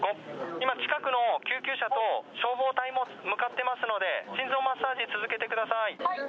今、近くの救急車と消防隊も向ってますので、心臓マッサージ続けてくはい。